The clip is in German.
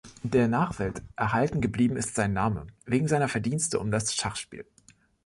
Der Nachwelt erhalten geblieben ist sein Name wegen seiner Verdienste um das Schachspiel.